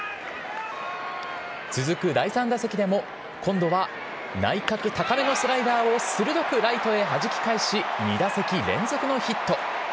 続く第３打席でも、今度は内角高めのスライダーを鋭くライトへはじき返し、２打席連続のヒット。